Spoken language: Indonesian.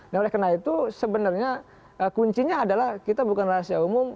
nah oleh karena itu sebenarnya kuncinya adalah kita bukan rahasia umum